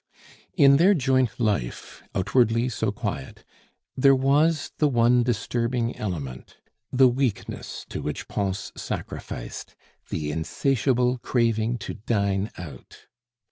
In their joint life, outwardly so quiet, there was the one disturbing element the weakness to which Pons sacrificed, the insatiable craving to dine out.